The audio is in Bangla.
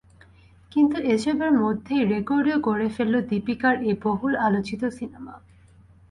কিন্তু এসবের মধ্যেই রেকর্ডও গড়ে ফেলল দীপিকার এই বহুল আলোচিত সিনেমা।